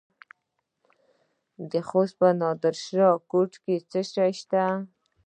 د خوست په نادر شاه کوټ کې څه شی شته؟